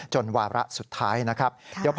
วาระสุดท้ายนะครับ